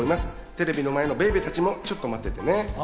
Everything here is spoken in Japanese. テレビの前のベイベたちもちょっと待っててね。